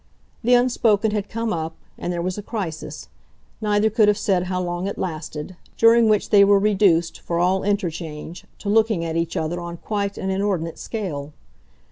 The unspoken had come up, and there was a crisis neither could have said how long it lasted during which they were reduced, for all interchange, to looking at each other on quite an inordinate scale.